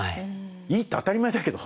いいって当たり前だけど。